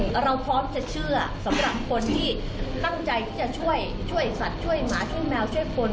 แต่เราพร้อมจะเชื่อสำหรับคนที่ตั้งใจที่จะช่วยช่วยสัตว์ช่วยหมาช่วยแมวช่วยคน